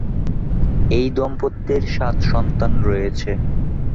এই দম্পতির সাত সন্তান রয়েছে।